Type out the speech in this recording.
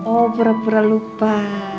oh pura pura lupa